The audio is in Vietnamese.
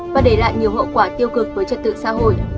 và để lại nhiều hậu quả tiêu cực với trật tự xã hội